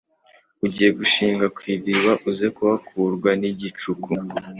ugiye gushinga ku iriba uze kuhakurwa ni igicuku